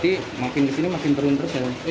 iya makin kesini makin teruntur